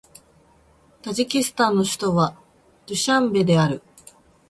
タジキスタンの首都はドゥシャンベである